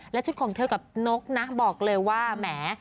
และชุดของเธอกับนกนะบอกเลยว่าแหม